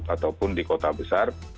ataupun di kota besar